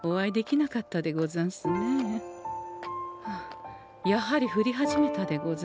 やはり降り始めたでござんす。